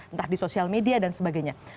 entah di sosial media dan sebagainya